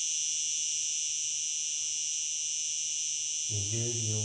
２０秒。